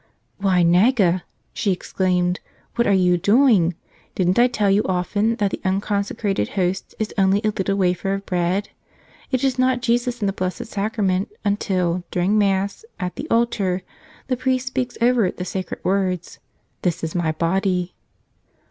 "Why, Naga!" she exclaimed. "What are you doing? Didn't I tell you often that the unconsecrated host is only a little wafer of bread? It is not Jesus in the Blessed Sacrament until, during Mass, at the altar, the priest speaks over it the sacred words, 'This is My Body.